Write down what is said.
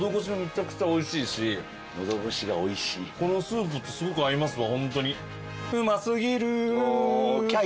このスープとすごく合いますわホントに。